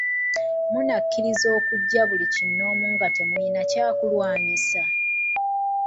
Munnakkiriza okujja buli kinnoomu nga temulina kya kulwanyisa?